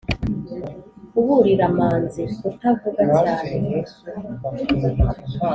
kuburira manzi kutavuza cyane,